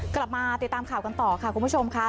กลับมาติดตามข่าวกันต่อค่ะคุณผู้ชมค่ะ